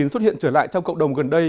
xuất hiện trở lại trong cộng đồng gần đây